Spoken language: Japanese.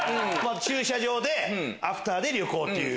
駐車場でアフターで旅行っていう。